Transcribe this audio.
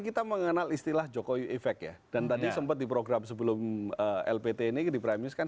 kita mengenal istilah jokowi efek ya dan tadi sempat diprogram sebelum lpt ini di primis kan